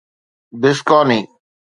بسڪاني